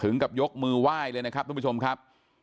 กับยกมือไหว้เลยนะครับทุกผู้ชมครับ